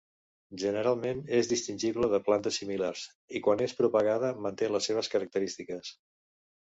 Generalment és distingible de plantes similars i quan és propagada manté les seves característiques.